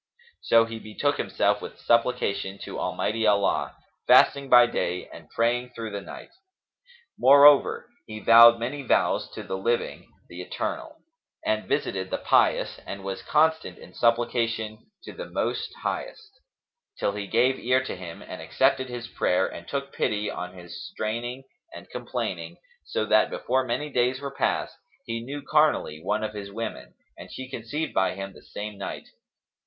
So he betook himself with supplication to Almighty Allah, fasting by day and praying through the night. Moreover, he vowed many vows to the Living, the Eternal; and visited the pious and was constant in supplication to the Most Highest, till He gave ear to him and accepted his prayer and took pity on his straining and complaining; so that, before many days were past, he knew carnally one of his women and she conceived by him the same night.